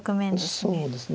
そうですね。